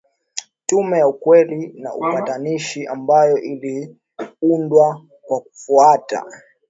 Tume ya ukweli na upatanishi ambayo iliundwa kwa kufuata